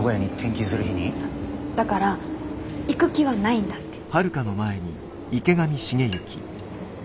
だから行く気はないんだって。